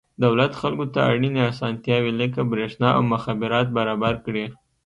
دولت خلکو ته اړینې اسانتیاوې لکه برېښنا او مخابرات برابر کړي.